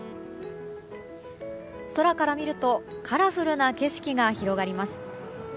空から見るとカラフルな景色が広がります。